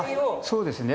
そうですね。